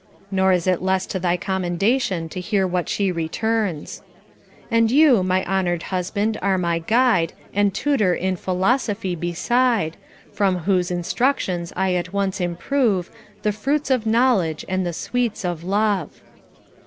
* Nor is it less to thy commendation to hear what she returns : And you, my honored husband, are my guide And tutor in philosophy beside, From whose instructions I at once improve The fruits of knowledge and the sweets of love.